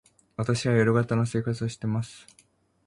私は夜型の生活をしています。